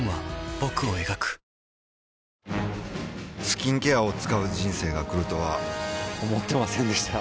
スキンケアを使う人生が来るとは思ってませんでした